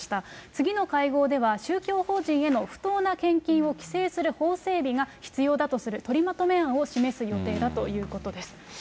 次の会合では、宗教法人への不当な献金を規制する法整備が必要だとする取りまとめ案を示す予定だということです。